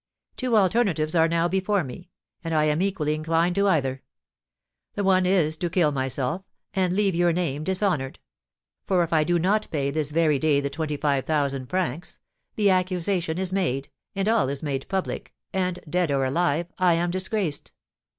Two alternatives are now before me, and I am equally inclined to either. The one is to kill myself, and leave your name dishonoured; for if I do not pay this very day the twenty five thousand francs, the accusation is made, and all is made public, and, dead or alive, I am disgraced.